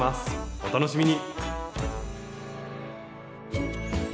お楽しみに。